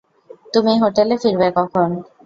তুমি হোটেলে ফিরবে কখন?